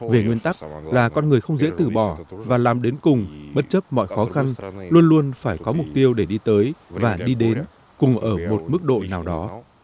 về nguyên tắc là con người không dễ tử bỏ và làm đến cùng bất chấp mọi khó khăn luôn luôn phải có mục tiêu để đi tới và đi đến cùng ở một mức độ nào đó